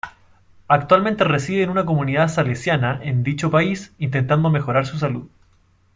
Actualmente reside en una comunidad salesiana en dicho país, intentando mejorar su salud.